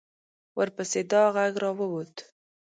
ورپسې دا غږ را ووت.